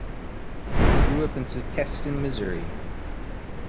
He grew up in Sikeston, Missouri.